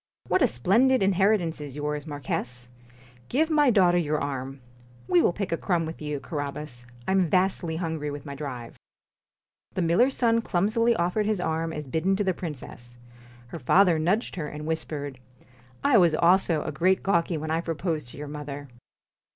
'What a splendid inheritance is yours, Marquis! Give my daughter your arm. We will pick a crumb with you, Carabas. I 'm vastly hungry with my drive.' The miller's son clumsily offered his arm as bidden to the princess. Her father nudged her, and whispered :' I also was a great gawky when I proposed to your mother.'